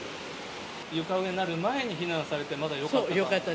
床上になる前に避難されて、まだよかった。